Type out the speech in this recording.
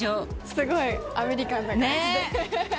すごいアメリカンな感じで。